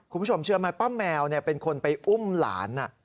คุณผู้ชมเชื่อไหมป้าแมวเป็นคนไปอุ้มหลาน